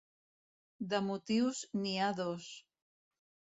De motius, n’hi ha dos.